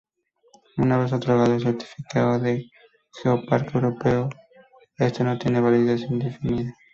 Una vez otorgado el certificado de Geoparque Europeo, este no tiene validez indefinida.